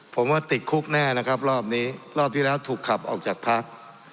ผมว่าติดคุกแน่นะครับรอบนี้รอบที่แล้วถูกขับออกจากพัก